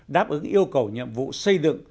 đáp ứng yêu cầu nhiệm vụ xây dựng